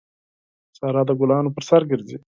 سارا د ګلانو پر سر ګرځي.